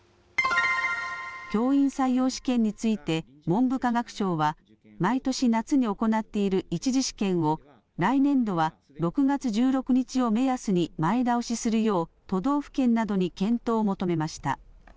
教員採用試験について、文部科学省は、毎年夏に行っている１次試験を、来年度は６月１６日を目安に前倒しするよう、都道府県などに検討を求めました。